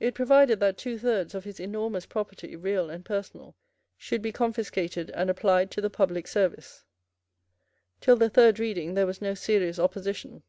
It provided that two thirds of his enormous property, real and personal, should be confiscated and applied to the public service. Till the third reading there was no serious opposition.